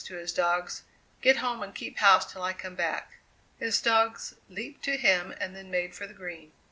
to his dogs, "get home and keep house till I come back." His dogs leaped to him and then made for the Green.